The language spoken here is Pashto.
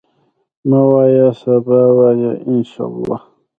مه وایه سبا، وایه ان شاءالله.